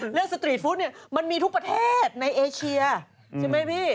สตรีทฟู้ดเนี่ยมันมีทุกประเทศในเอเชียใช่ไหมพี่